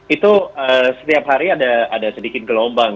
itu setiap hari ada sedikit gelombang